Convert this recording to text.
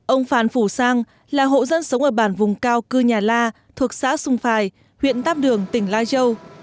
ông phàn phủ sang là hộ dân sống ở bản vùng cao cư nhà la thuộc xã xung phài huyện tam đường tỉnh lai châu